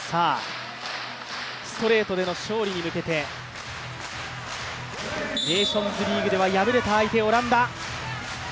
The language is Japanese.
ストレートでの勝利に向けてネーションズリーグでは敗れた相手、オランダ。